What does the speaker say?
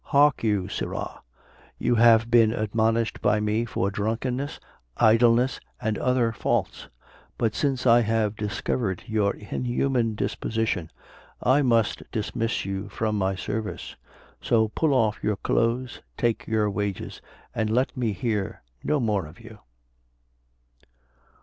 Hark you, sirrah, you have been admonished by me for drunkenness, idleness, and other faults; but since I have discovered your inhuman disposition, I must dismiss you from my service: so pull off your clothes, take your wages, and let me hear no more of you."